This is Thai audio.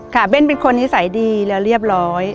เบ้นเป็นคนนิสัยดีและเรียบร้อย